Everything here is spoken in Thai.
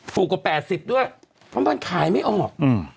กว่า๘๐ด้วยเพราะมันขายไม่ออก